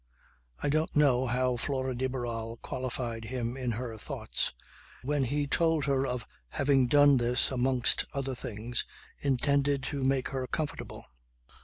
I don't know how Flora de Barral qualified him in her thoughts when he told her of having done this amongst other things intended to make her comfortable.